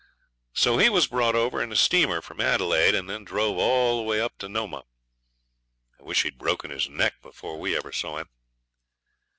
So he was brought over in a steamer from Adelaide, and then drove all the way up to Nomah. I wished he'd broken his neck before we ever saw him.